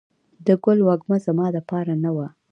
د ګل وږمه زما دپار نه وه